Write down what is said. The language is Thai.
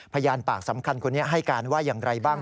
พยานปากสำคัญคนนี้ให้การว่าอย่างไรบ้าง